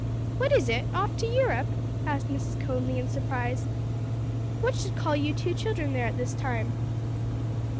"What is it? off to Europe?" asked Mrs. Conly in surprise. "What should call you two children there at this time?"